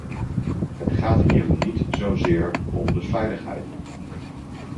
Het gaat hier niet zozeer om de veiligheid.